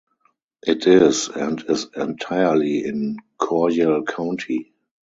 It is and is entirely in Coryell County.